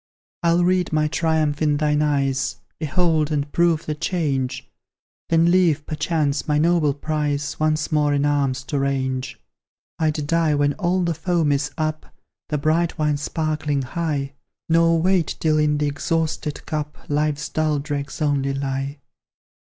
I'll read my triumph in thine eyes, Behold, and prove the change; Then leave, perchance, my noble prize, Once more in arms to range. I'd die when all the foam is up, The bright wine sparkling high; Nor wait till in the exhausted cup Life's dull dregs only lie.